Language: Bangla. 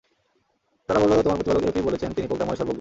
তারা বলল, তোমার প্রতিপালক এরূপই বলেছেন, তিনি প্রজ্ঞাময়, সর্বজ্ঞ।